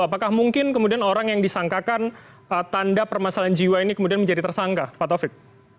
apakah mungkin kemudian orang yang disangkakan tanda permasalahan jiwa ini kemudian menjadi tersangka pak taufik